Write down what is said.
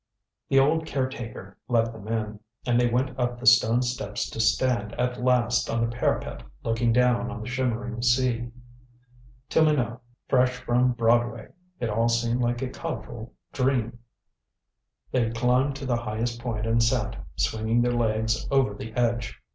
The old caretaker let them in, and they went up the stone steps to stand at last on the parapet looking down on the shimmering sea. To Minot, fresh from Broadway, it all seemed like a colorful dream. They climbed to the highest point and sat, swinging their legs over the edge.